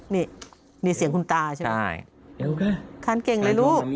นี่มีเสียงคุณตาใช่ไหมคันเก่งเลยลูก